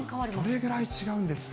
それぐらい違うんですか。